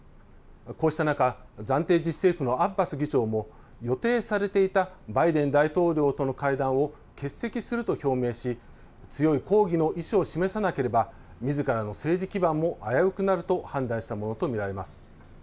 こうした中、暫定自治政府のアッバス議長も予定されていたバイデン大統領との会談を欠席すると表明し強い抗議の意志を示さなければみずからの政治基盤も危うくなると判断したものと見られます。